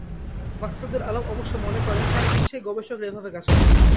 মাকসুদুল আলম অবশ্য মনে করেন সারা বিশ্বেই গবেষকেরা এভাবে কাজ করেন।